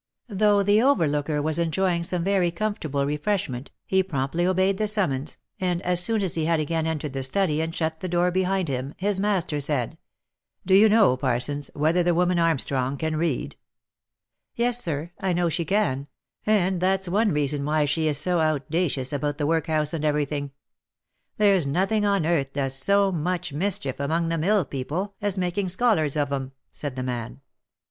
Though the overlooker was enjoying some very comfortable refresh ment, he promptly obeyed the summons, and as soon as he had again entered the study, and shut the door behind him, his master said, " Do you know, Parsons, whether the woman Armstrong can read V* " Yes, sir, I know she can — and that's one reason why she is so outdacious about the workhouse and every thing. There's nothing on earth does so much mischief among the mill people as making scho lards of 'em," said the man.